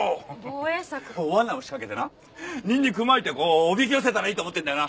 罠を仕掛けてなニンニクまいておびき寄せたらいいと思ってんだよな。